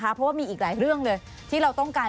เพราะว่ามีอีกหลายเรื่องเลยที่เราต้องการ